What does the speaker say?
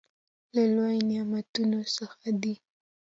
له لويو نعمتونو څخه دى.